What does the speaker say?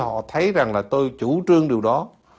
họ thấy rằng là tôi chủ trương điều đó